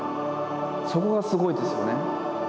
そこがすごいですよね。